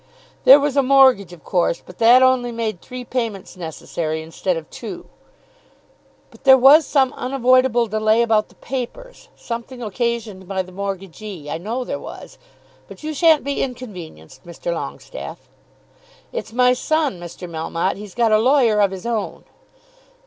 "There was a mortgage, of course; but that only made three payments necessary instead of two." "But there was some unavoidable delay about the papers; something occasioned by the mortgagee. I know there was. But you shan't be inconvenienced, Mr. Longestaffe." "It's my son, Mr. Melmotte. He's got a lawyer of his own."